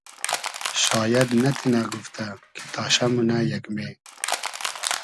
شاید نئتینۂ گوفتۂ کی تاشۂ مونۂ یئگمې